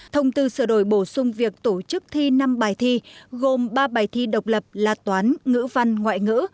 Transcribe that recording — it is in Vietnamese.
thông tư sửa đổi bổ sung việc tổ chức thi năm bài thi gồm ba bài thi độc lập là toán ngữ văn ngoại ngữ